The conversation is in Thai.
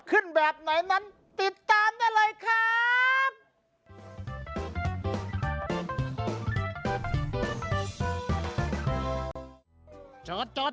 แบบไหนนั้นติดตามได้เลยครับ